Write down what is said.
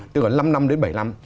tức là năm năm đến bảy năm